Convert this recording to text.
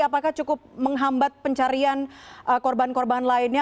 apakah cukup menghambat pencarian korban korban lainnya